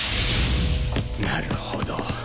なるほど。